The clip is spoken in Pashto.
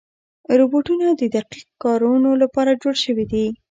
روبوټونه د دقیق کارونو لپاره جوړ شوي دي.